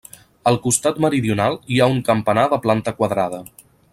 Al costat meridional hi ha un campanar de planta quadrada.